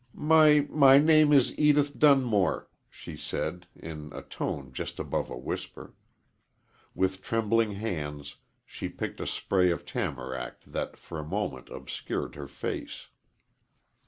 "My my name is Edith Dunmore," she said, in a tone just above a whisper. With trembling hands she picked a spray of tamarack that for a moment obscured her face.